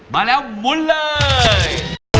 มาแล้วหมุนเลย